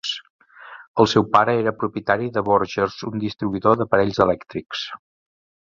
El seu pare era propietari de Borger's, un distribuïdor d'aparells elèctrics.